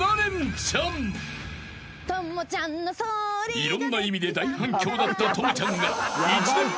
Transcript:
［いろんな意味で大反響だった朋ちゃんが］